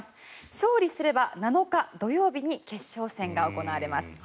勝利すれば７日土曜日に決勝戦が行われます。